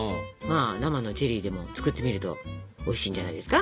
生のチェリーでも作ってみるとおいしいんじゃないですか？